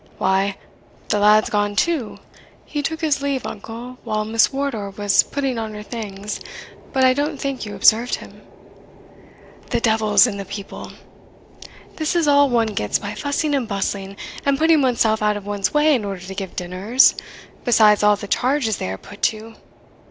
Why, the lad's gone too." "He took his leave, uncle, while Miss Wardour was putting on her things; but I don't think you observed him." "The devil's in the people! This is all one gets by fussing and bustling, and putting one's self out of one's way in order to give dinners, besides all the charges they are put to!